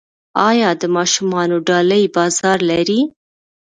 آیا د ماشومانو ډالۍ بازار لري؟